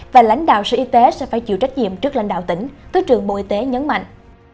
và lãnh đạo sở y tế sẽ phải chịu trách nhiệm trước lãnh đạo tỉnh thứ trưởng bộ y tế nhấn mạnh